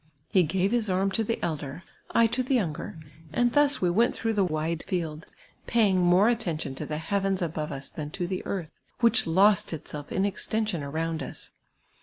Jle ^ive his arm to the elder, I to the youni^er, and thus we went through the wide field, ])iiying more attention to the heavens above us than to the earth, which lost itself in extension around us.